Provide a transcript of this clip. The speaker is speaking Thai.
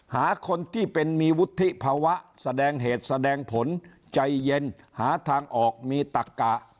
หาคนที่เป็นมีวุฒิภาวะแสดงเหตุแสดงผลใจเย็นหาทางออกมีตักกะ